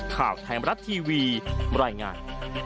ข่าวไทยมรัฐทีวีบรรยายงาน